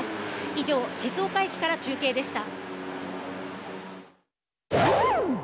以上、静岡駅から中継でした。